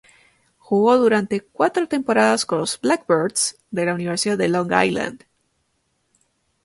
Jugó durante cuatro temporadas con los "Blackbirds" de la Universidad de Long Island.